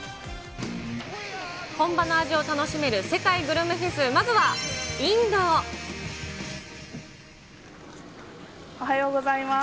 本場の味を楽しめる世界グルメフおはようございます。